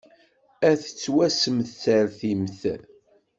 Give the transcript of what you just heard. Ad tettwassemsertimt.